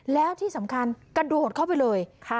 แล้วที่สำคัญกระโดดหดเข้าไปเลย